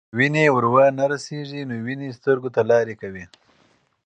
که وینې ور ونه رسیږي، نو وینې سترګو ته لارې کوي.